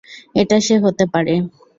এটা সে হতে পারে।